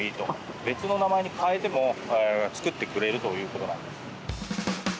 別の名前に変えても作ってくれるということなんです。